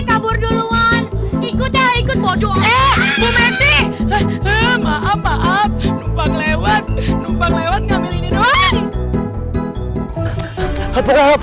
aku akan menganggap